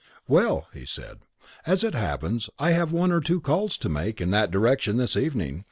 "Well," he said, "as it happens, I have one or two calls to make in that direction this evening.